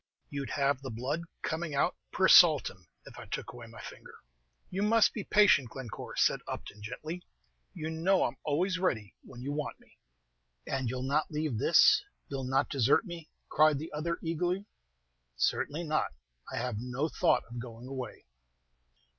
"You'd have the blood coming out, per saltim, if I took away my finger." "You must be patient, Glencore," said Upton, gently; "you know I'm always ready when you want me." "And you'll not leave this, you'll not desert me?" cried the other, eagerly. "Certainly not; I have no thought of going away."